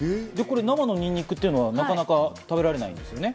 生のにんにくというのは、なかなか食べられないですね。